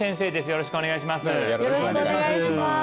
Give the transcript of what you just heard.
よろしくお願いします